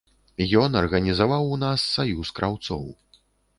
Ён арганізаваў у нас саюз краўцоў.